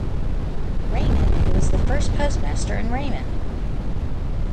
Raymond, who was the first postmaster in Raymond.